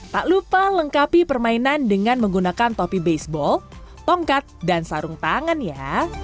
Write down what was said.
tak lupa lengkapi permainan dengan menggunakan topi baseball tongkat dan sarung tangan ya